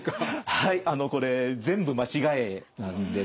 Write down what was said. はいこれ全部間違いなんですね。